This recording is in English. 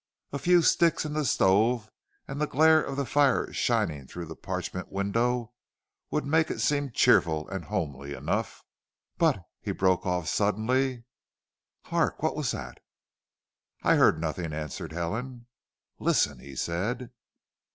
A few sticks in the stove and the glare of the fire shining through the parchment window would make it seem cheerful and homey enough." "But " he broke off suddenly. "Hark. What was that?" "I heard nothing," answered Helen. "Listen," he said.